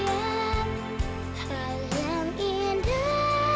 hal yang indah